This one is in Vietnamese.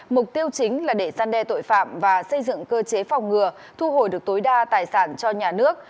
mục tiêu chính là để gian đe tội phạm và xây dựng cơ chế phòng ngừa thu hồi được tối đa tài sản cho nhà nước